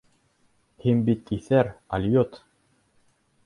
Һин бит иҫәр, алйот!